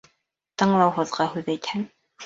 Тыңлауһыҙға һүҙ әйтһәң